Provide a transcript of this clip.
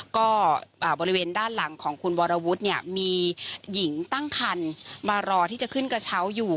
ก็บริเวณด้านหลังของคุณวรวุฒิเนี่ยมีหญิงตั้งคันมารอที่จะขึ้นกระเช้าอยู่